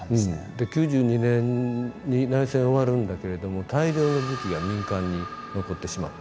で９２年に内戦終わるんだけれども大量の武器が民間に残ってしまったっていう。